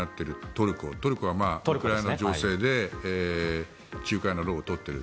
トルコはウクライナ情勢で仲介の労を取っている。